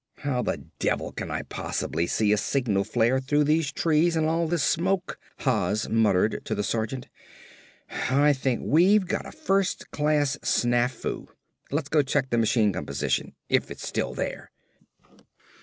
"How the devil can I possibly see a signal flare through these trees and all this smoke?" Haas muttered to the sergeant. "I think we've got a first class snafu. Let's go check the machine gun position; if it's still there."